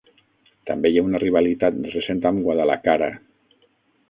També hi ha una rivalitat recent amb Guadalajara.